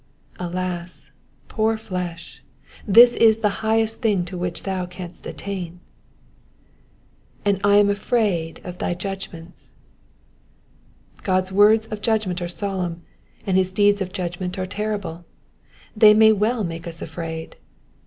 Alas, poor flesh, this is the highest thing to which thou canst attain I ^^ And I am afraid of thy judgments,'''* God's words of judg ment are solemn, and his deeds of judgment are terrible ; they may wdl make us afraid.